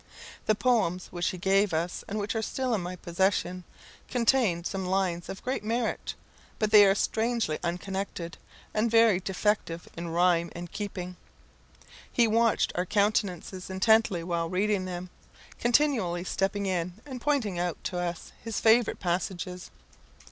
The poems which he gave us, and which are still in my possession, contain some lines of great merit; but they are strangely unconnected, and very defective in rhyme and keeping. He watched our countenances intently while reading them, continually stepping in, and pointing out to us his favourite passages.